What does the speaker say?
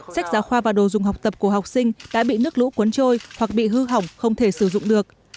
sách giáo khoa và đồ dùng học tập của học sinh đã bị nước lũ cuốn trôi hoặc bị hư hỏng không thể sử dụng được